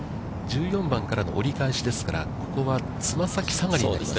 １４番からの折り返しですから、ここは、つま先下がりになります。